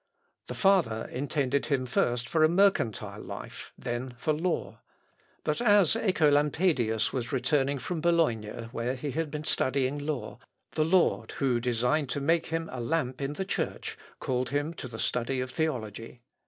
The father intended him first for a mercantile life, then for law. But as Œcolampadius was returning from Bologna, where he had been studying law, the Lord, who designed to make him a lamp in the Church, called him to the study of theology.